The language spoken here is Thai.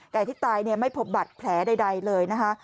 แต่ที่ตายไม่พบบัตรแผลใดเลยนะคะ